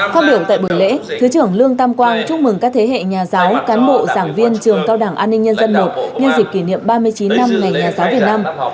phát biểu tại buổi lễ thứ trưởng lương tam quang chúc mừng các thế hệ nhà giáo cán bộ giảng viên trường cao đảng an ninh nhân dân i nhân dịp kỷ niệm ba mươi chín năm ngày nhà giáo việt nam